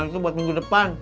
malik tuh buat minggu depan